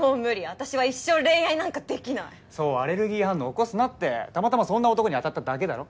私は一生恋愛なんかできないそうアレルギー反応起こすなってたまたまそんな男に当たっただけだろ？